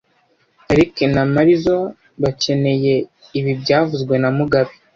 Eric na Marizoa bakeneye ibi byavuzwe na mugabe